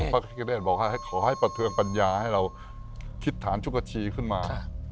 อพิกเงศบอกให้ประเทือนปัญญาให้เราคิดฐานชุกชีขึ้นมา